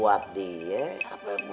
wah buat dia apa buat pak gaji